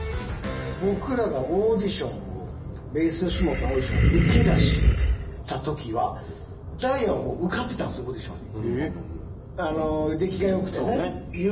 僕らがオーディションをｂａｓｅよしもとのオーディションを受けだした時はダイアンはもう受かってたんですオーディションに。